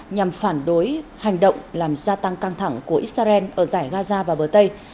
nhằm phản đối hành động làm gia tăng căng thẳng của israel ở giải gaza và bờ tây